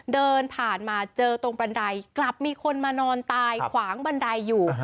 เดินผ่านมาเจอตรงบันไดกลับมีคนมานอนตายขวางบันไดอยู่